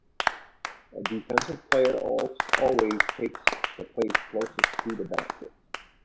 A defensive player always takes the place closest to the basket.